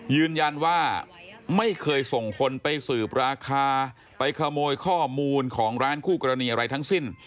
ยืนยันว่าไม่เคยส่งคนไปสืบราคาไปขโมยข้อมูลของร้านคู่กรณีอะไรทั้งสิ้น